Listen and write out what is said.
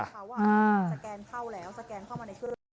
อ่า